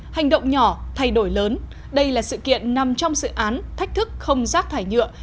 hành động nhỏ thay đổi lớn đây là sự kiện nằm trong dự án thách thức không rác thải nhựa